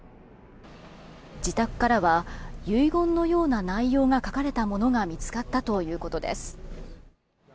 自宅からは遺言のような内容のものが書かれたものが見つかったということです。